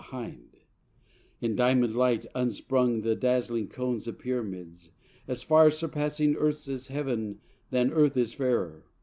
Behind, In diamond light, upsprung the dazzling Cones Of Pyramids, as far surpassing Earth's As Heaven than Earth is fairer.